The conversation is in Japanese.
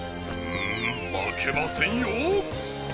んまけませんよ！